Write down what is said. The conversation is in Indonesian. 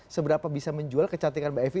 seberapa bisa menjual kecantikan mbak evi